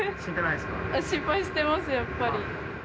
心配してます、やっぱり。